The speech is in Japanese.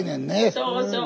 そうそう。